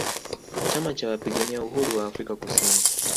Chama Cha Wapigania Uhuru Wa Afrika Kusini